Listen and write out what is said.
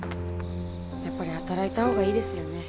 やっぱり働いた方がいいですよね。